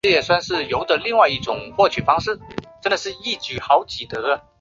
她应该安静地接受被强奸。